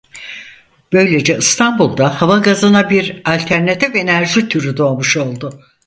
Böylece İstanbul'da havagazına bir alternatif enerji türü doğmuş oldu.